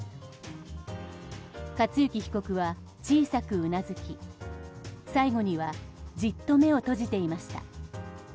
克行被告は、小さくうなずき最後にはじっと目を閉じていました。